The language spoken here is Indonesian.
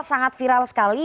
sangat viral sekali